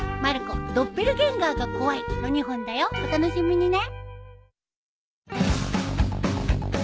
お楽しみにね。